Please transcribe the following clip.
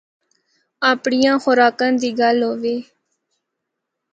اپڑیاں خوراکاں دی گل ہوے۔